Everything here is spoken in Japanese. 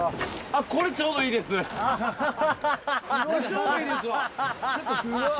これちょうどいいですわ。